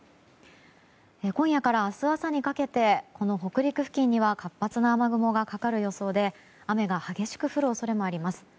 今夜から明日朝にかけて北陸付近には活発な雨雲がかかる予想で雨が激しく降る恐れもあります。